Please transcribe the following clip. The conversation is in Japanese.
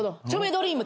ドリーム。